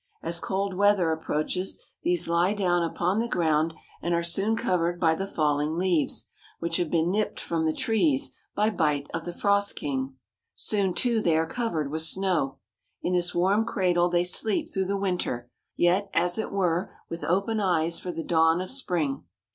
As cold weather approaches these lie down upon the ground and are soon covered by the falling leaves, which have been nipped from the trees by bite of the frost king. Soon, too, they are covered with snow. In this warm cradle they sleep through the winter, yet, as it were, with open eyes for the dawn of spring.